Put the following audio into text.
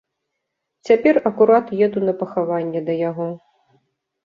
Цяпер акурат еду на пахаванне да яго.